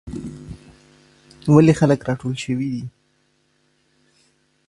ولې خلک راټول شوي دي؟